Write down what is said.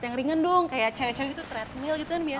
yang ringan dong kayak cowok cowok gitu treadmill gitu kan